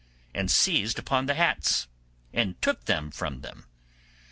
and seized upon the hats, and took them from them.